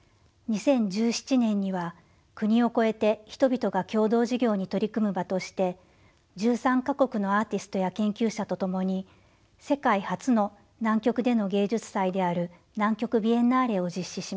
２０１７年には国を越えて人々が共同事業に取り組む場として１３か国のアーティストや研究者と共に世界初の南極での芸術祭である南極ビエンナーレを実施しました。